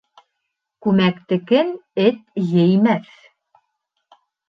Күмәктекен эт еймәҫ.